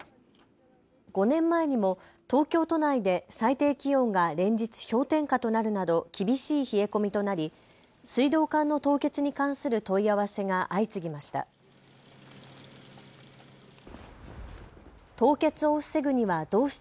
５年前にも東京都内で最低気温が連日氷点下となるなど厳しい冷え込みとなり水道管の凍結に関する問い合わせが相次ぎました。